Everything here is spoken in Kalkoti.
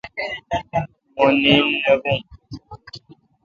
مہ نیند نہ بوُن